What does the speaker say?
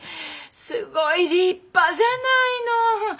すごい立派じゃないの。